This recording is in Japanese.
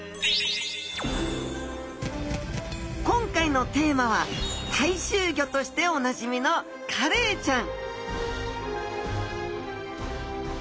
今回のテーマは大衆魚としておなじみのカレイちゃん！